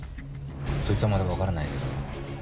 そいつはまだわからないけど。